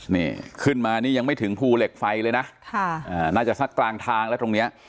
นี่ขึ้นมานี่ยังไม่ถึงภูเหล็กไฟเลยนะค่ะอ่าน่าจะสักกลางทางแล้วตรงเนี้ย